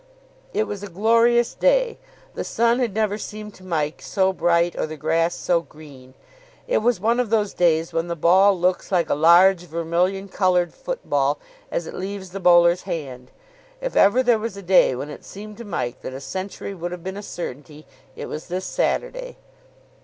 It was a glorious day. The sun had never seemed to Mike so bright or the grass so green. It was one of those days when the ball looks like a large vermilion coloured football as it leaves the bowler's hand. If ever there was a day when it seemed to Mike that a century would have been a certainty, it was this Saturday.